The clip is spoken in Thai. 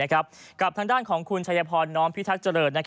กับทางด้านของคุณชัยพรน้อมพิทักษ์เจริญ